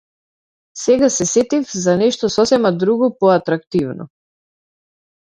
Сега се сетив за нешто сосема друго, поатрактивно.